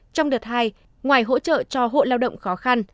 trong đợt hai ngoài hỗ trợ cho hộ lao động khó khăn